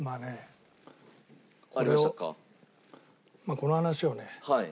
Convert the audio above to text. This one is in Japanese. この話をね